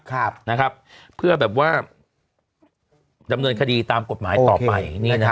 ครับนะครับเพื่อแบบว่าดำเนินคดีตามกฎหมายต่อไปนี่นะฮะ